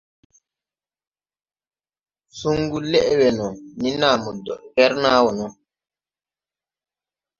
Suŋgu lɛʼ we no ni naa mo dɔɗ gɛr naa wɔ no.